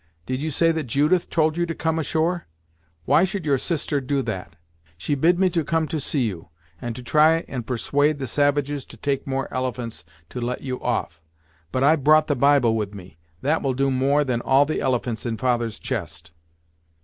Did you say that Judith told you to come ashore why should your sister do that?" "She bid me come to see you, and to try and persuade the savages to take more elephants to let you off, but I've brought the Bible with me that will do more than all the elephants in father's chest!"